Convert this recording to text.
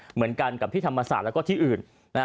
เหมือนกันกับที่ธรรมศาสตร์แล้วก็ที่อื่น